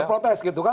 terprotes gitu kan